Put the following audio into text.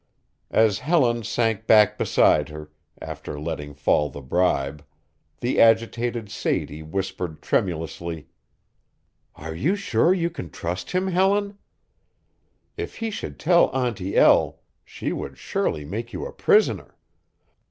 As Helen sank back beside her, after letting fall the bribe, the agitated Sadie whispered tremulously: "Are you sure you can trust him, Helen? If he should tell Auntie El she would surely make you a prisoner.